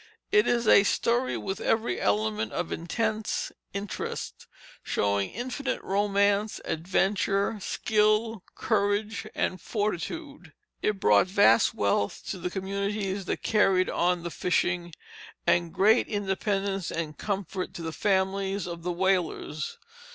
It is a story with every element of intense interest, showing infinite romance, adventure, skill, courage, and fortitude. It brought vast wealth to the communities that carried on the fishing, and great independence and comfort to the families of the whalers.